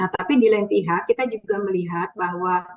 tapi di lain pihak kita juga melihat bahwa